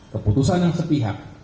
keputusan yang setihak